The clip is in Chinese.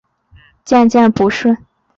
渐渐不顺